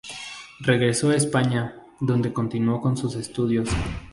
Regresó a España, donde continuó con sus estudios.